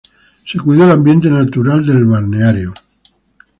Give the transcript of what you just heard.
Se cuidó el ambiente natural del balneario.